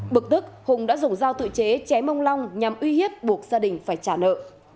bực tức hùng đã dùng dao tự chế chém ông long nhằm uy hiếp buộc gia đình phải trả nợ